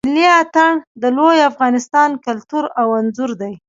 ملی آتڼ د لوی افغانستان کلتور او آنځور دی.